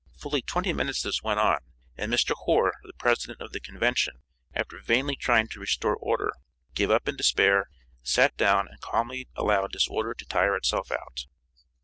Fully twenty minutes this went on, and Mr. Hoar, the president of the convention after vainly trying to restore order gave up in despair, sat down, and calmly allowed disorder to tire itself out.